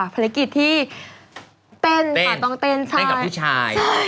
ภารกิจที่เต้นค่ะต้องเต้นชายเต้นเต้นกับผู้ชาย